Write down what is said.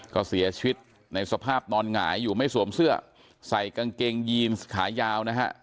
ก็เสียชีวิตในสภาพนอนหงายอยู่ไม่สวมเสื้อใส่กางเกงยีนขายาวนะฮะ